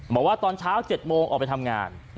บอกว่าตอนเช้า๗โมงออกไปทำงาน